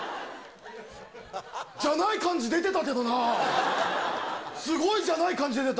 じゃない感じ出てたけどなぁ、すごいじゃない感じ出てた。